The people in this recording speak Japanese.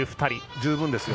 十分ですよ。